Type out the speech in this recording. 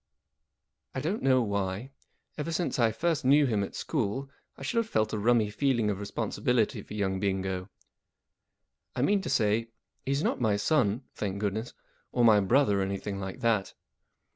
I DON'T know why, ever since I first knew him at school, I should have felt a rummy feeling of responsibility for young Bingo. I mean to say, he's not my son (thank goodness) or my brother or anything like that.